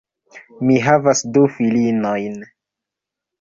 Mi havas du filinojn.